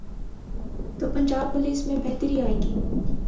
تو پنجاب پولیس میں بہتری آئے گی۔